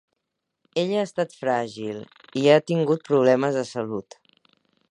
Ella ha estat fràgil i ha tingut problemes de salut.